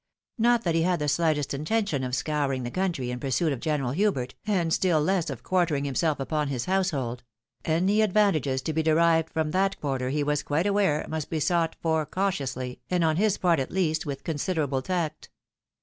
Not that he had the sUghtest intention of scouring the country in purauit of General Hubert, and still less of quartering himself upon his household ; any advantages to be derived from that quarter, he was quite aware, must besought for cautiously, and, on his part at least, with considerable tact.